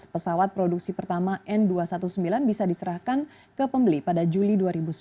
pesawat produksi pertama n dua ratus sembilan belas bisa diserahkan ke pembeli pada juli dua ribu sembilan belas